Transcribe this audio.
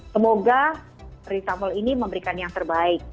semoga reshuffle ini memberikan yang terbaik